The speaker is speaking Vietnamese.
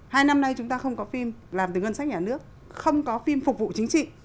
hai năm nay chúng ta không có phim làm từ ngân sách nhà nước không có phim phục vụ chính trị